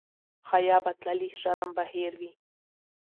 حیا به تللې شرم به هېر وي.